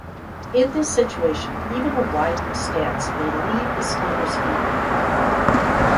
In this situation, even a widened stance may still leave the splitter's feet vulnerable.